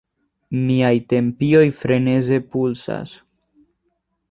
Miaj tempioj freneze pulsas.